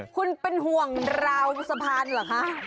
คุณเป็นห่วงราวสะพานเหรอคะ